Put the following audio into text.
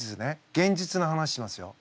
現実の話しますよ。